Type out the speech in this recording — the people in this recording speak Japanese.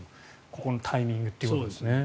ここのタイミングというところ。